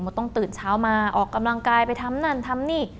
ต้องตื่นเช้ามาออกกำลังกายไปทำนั่นทำนี่